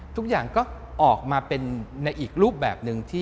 ทุกอย่างก็ออกมาเป็นในอีกรูปแบบหนึ่ง